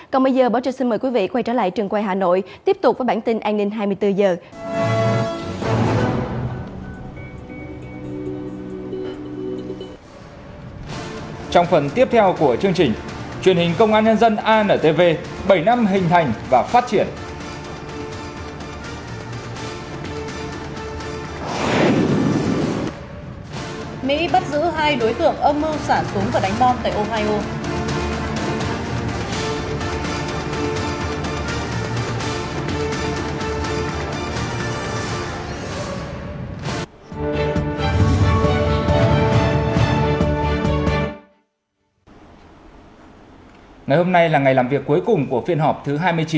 còn bây giờ báo chí xin mời quý vị quay trở lại trường quay hà nội tiếp tục với bản tin an ninh hai mươi bốn h